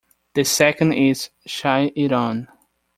The second is "Shine It On".